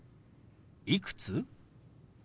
「いくつ？」。